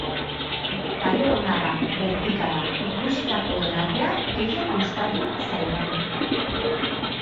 Talde ona da, bertikala, ikusitakoen artean gehien gustatu zaidana.